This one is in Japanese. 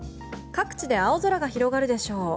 各地で青空が広がるでしょう。